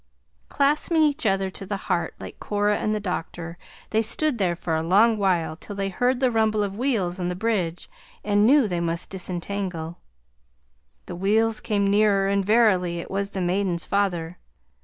Clasping each other to the heart like Cora and the Doctor, they stood there for a long while, till they heard the rumble of wheels on the bridge and knew they must disentangle. The wheels came nearer and verily! it was the maiden's father.